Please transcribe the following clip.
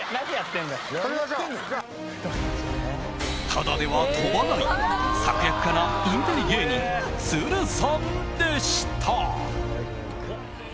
タダでは飛ばない、策略家なインテリ芸人・都留さんでした。